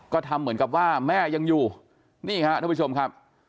ก็ทำเหมือนกับว่าแม่ยังอยู่นี่ครับท่านผู้ชมครับ